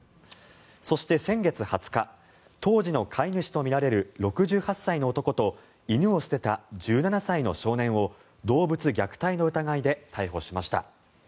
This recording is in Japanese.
そして先月２０日当時の飼い主とみられる６８歳の男と犬を捨てた１７歳の少年を動物虐待の疑いで逮捕しました。